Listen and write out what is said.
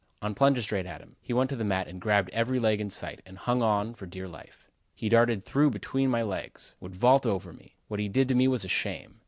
On plunges straight at him, he went to the mat and grabbed every leg in sight and hung on for dear life. He darted through between my legs; would vault over me; what he did to me was a shame.